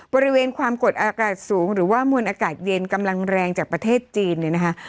บริเวณความกดอากาศสูงหรือว่ามวลอากาศเย็นกำลังแรงจากประเทศจีนเนี่ยนะคะ